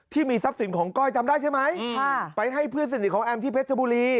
ที่มีทรัพย์สินของก้อยจำได้ใช่ไหมไปให้เพื่อนสนิทของแอมที่เพชรบุรี